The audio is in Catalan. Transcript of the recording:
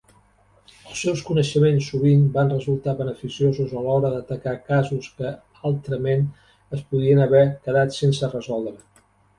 Els seus coneixements sovint van resultar beneficiosos a l'hora de tancar casos que, altrament, es podrien haver quedat sense resoldre.